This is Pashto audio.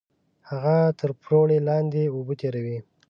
هغه تر پراړه لاندې اوبه تېروي